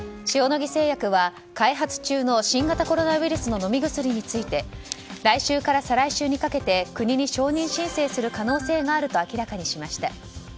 塩野義製薬は開発中の新型コロナウイルスの飲み薬について来週から再来週にかけて国に承認申請する可能性があると明らかにしました。